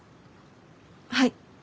はい。